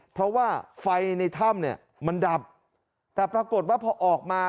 เพราะว่าไฟในถ้ำเนี่ยมันดับแต่ปรากฏว่าพอออกมา